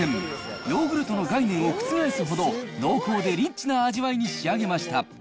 ヨーグルトの概念を覆すほど濃厚でリッチな味わいに仕上げました。